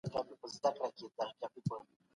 د مارکیټ لید مو ور بدل کړل.